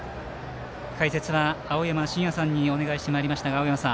解説は青山眞也さんにお願いしてまいりました。